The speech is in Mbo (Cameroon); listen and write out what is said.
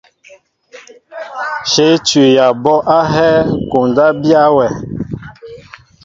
Shéé tuya a ɓɔ ahɛɛ, koondaan biya wɛʼ.